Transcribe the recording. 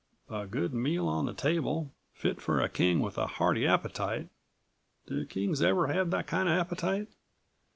A good meal on the table, fit for a king with a hearty appetite do kings ever have that kind of appetite?